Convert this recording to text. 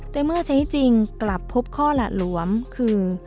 แต่เมื่อใช้จริงกลับพบข้อหละหลวมคือ